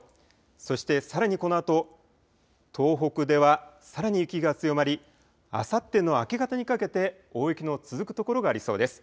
そして、さらにこのあと、東北ではさらに雪が強まりあさっての明け方にかけて大雪の続く所がありそうです。